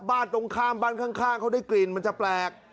ตรงข้ามบ้านข้างเขาได้กลิ่นมันจะแปลก